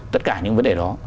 tất cả những vấn đề đó